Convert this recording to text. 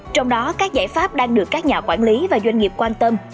trong đó các giải pháp đang được các nhà quản lý và doanh nghiệp quan tâm